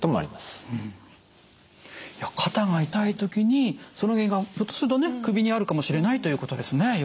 いや肩が痛い時にその原因がひょっとするとね首にあるかもしれないということですね。